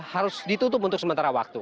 harus ditutup untuk sementara waktu